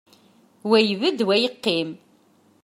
Wa ibedd, wa yeqqim.